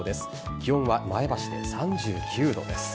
気温は前橋で３９度です。